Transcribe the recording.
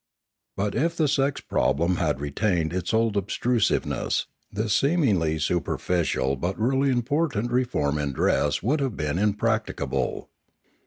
But if the sex problem had retained its old obtrusive ness, this seemingly superficial but really important re form in dress would have been impracticable.